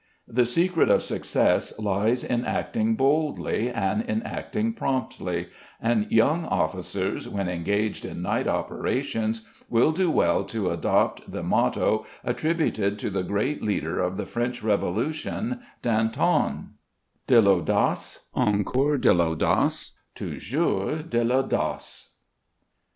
The secret of success lies in acting boldly and in acting promptly, and young officers, when engaged in night operations, will do well to adopt the motto attributed to the great leader of the French Revolution, Danton:— _De l'audace, encore de l'audace, toujours de l'audace.